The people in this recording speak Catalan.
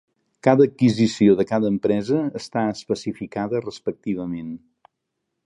Cada adquisició de cada empresa està especificada respectivament.